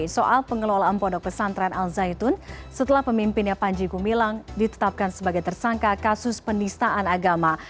soal pengelolaan pondok pesantren al zaitun setelah pemimpinnya panji gumilang ditetapkan sebagai tersangka kasus penistaan agama